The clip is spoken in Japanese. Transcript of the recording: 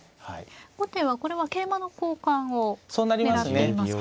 後手はこれは桂馬の交換を狙っていますか。